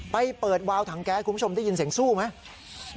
ไปเปิดวาวถังแก๊สคุณผู้ชมได้ยินเสียงสู้ไหม